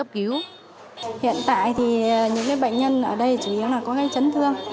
hiện tại các bệnh nhân ở đây chủ yếu là có gây chấn thương